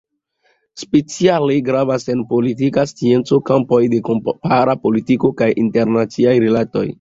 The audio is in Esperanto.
Speciale gravas en politika scienco kampoj de kompara politiko kaj internaciaj rilatoj.